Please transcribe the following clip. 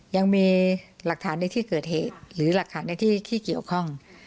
ยังมีหลักฐานในที่เกิดเหตุหรือหลักฐานในที่เกี่ยวข้อง